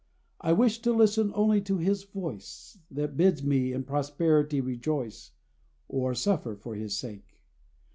I wish to listen only to His voice That bids me in prosperity rejoice, Or suffer for His sake.